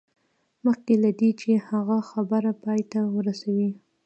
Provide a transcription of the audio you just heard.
مخکې له دې چې هغه خبره پای ته ورسوي